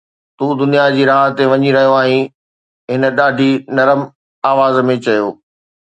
”تون دنيا جي راهه تي وڃي رهيو آهين،“ هن ڏاڍي نرم آواز ۾ چيو.